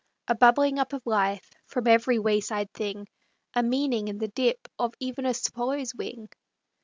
A bubbling up of life From every wayside thing ; A meaning in the dip Of even a swallow's wing.